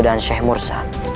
dan menemukan rai surawisesa